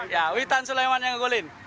ya witan sulaiman yang ngumpulin